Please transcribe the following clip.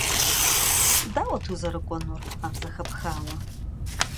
Дауэт узэрыкӀуэнур, ар зэхэпхауэ?..